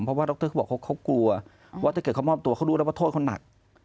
เพราะว่าดรเขาบอกเขากลัวว่าถ้าเกิดเขามอบตัวเขารู้แล้วว่าโทษเขาหนัก